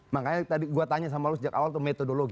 makanya tadi gue tanya sama lo sejak awal tuh metodologi